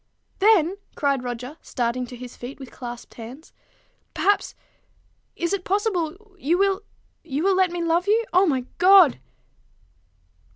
"Then," cried Roger, starting to his feet with clasped hands, " perhaps is it possible? you will you will let me love you? O my God!"